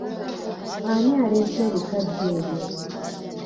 Ani aleese ebikajjo ebyo?